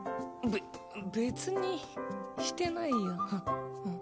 べ別にしてないよ。